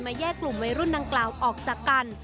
แยกกลุ่มวัยรุ่นดังกล่าวออกจากกัน